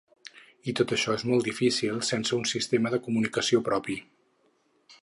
I tot això és molt difícil sense un sistema de comunicació propi.